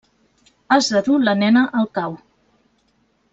Has de dur la nena al cau.